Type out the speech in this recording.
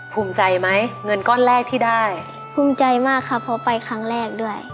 ภูมิใจมากค่ะเพราะไปครั้งแรกด้วย